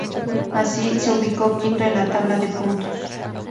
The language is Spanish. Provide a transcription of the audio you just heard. Así, se ubicó quinto en la tabla de puntos.